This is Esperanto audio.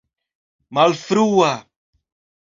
malfrua